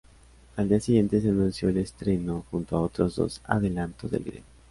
Al día siguiente se anunció el estreno junto a otros dos adelantos del video.